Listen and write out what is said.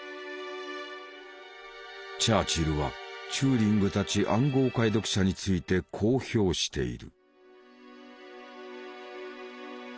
チャーチルはチューリングたち暗号解読者についてこう評している。